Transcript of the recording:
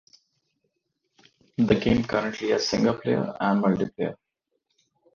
The game currently has singleplayer and multiplayer.